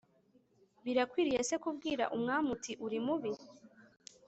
Birakwiriye se kubwira umwami uti Uri mubi